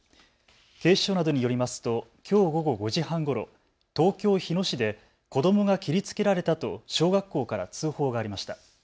警視庁などによりますときょう午後５時半ごろ東京日野市で子どもが切りつけられたと小学校から通報がありました。